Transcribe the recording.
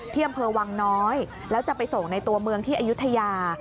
ที่อำเภอวังน้อยแล้วจะไปส่งในตัวเมืองที่อายุทยา